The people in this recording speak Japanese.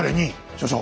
所長！